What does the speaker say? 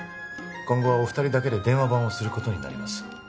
今後はお二人だけで電話番をすることになります